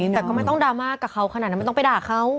แต่ก็ไม่ต้องดราม่ากับเขาขนาดนั้นไม่ต้องไปด่าเขา